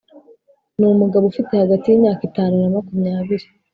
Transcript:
Ni umugabo ufite hagati y’imyaka itanu na makumyabiri